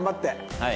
はい。